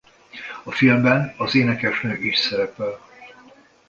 A filmben az énekesnő is szerepel.